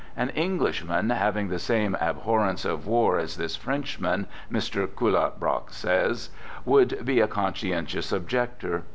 An Englishman having the same abhorrence of war as this Frenchman, Mr. Clutton Brock says, would be a conscientious objector.